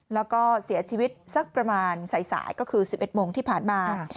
แล้วก็เสียชีวิตสักประมาณสายก็คือ๑๑โมงที่ผ่านมา